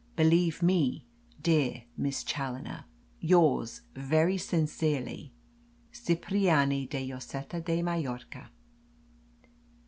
Believe me, dear Miss Challoner, yours very sincerely, "CIPRIANI DE LLOSETA DE MALLORCA."